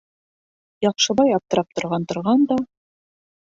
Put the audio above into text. Яҡшыбай аптырап торған-торған да: